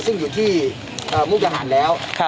ซึ่งอยู่ที่มุกดาหารแล้ว